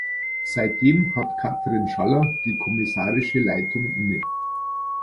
Seitdem hat Katrin Schaller die kommissarische Leitung inne.